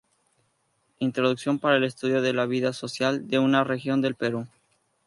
Introducción para el estudio de la vida social de una región del Perú.